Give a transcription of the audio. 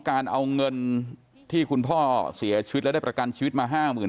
การเอาเงินที่คุณพ่อเสียชีวิตและได้ประกันชีวิตมา๕๐๐๐